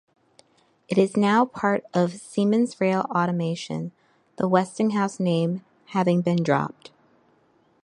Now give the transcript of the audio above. It is now part of Siemens Rail Automation, the Westinghouse name having been dropped.